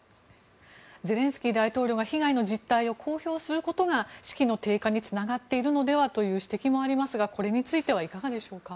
ゼレンスキー大統領が被害の実態を公表することが士気の低下につながっているのではという指摘もありますがこれについてはいかがでしょうか。